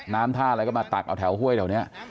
น้ำท่าอะไรก็มาตักเอาแถวห้วยแถวนี้